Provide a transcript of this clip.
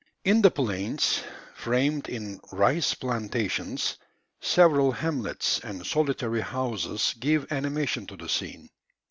In the plains, framed in rice plantations, several hamlets and solitary houses give animation to the scene.